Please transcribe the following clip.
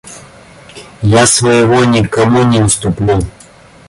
Я своего никому не уступлю.